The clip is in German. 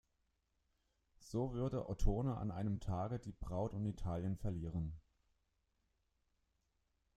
So würde Ottone an einem Tage die Braut und Italien verlieren.